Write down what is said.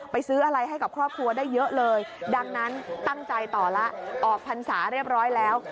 ซื้ออะไรให้กับครอบครัวได้เยอะเลยดังนั้นตั้งใจต่อแล้วออกพรรษาเรียบร้อยแล้ว